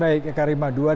baik eka rima